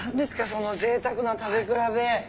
そのぜいたくな食べ比べ。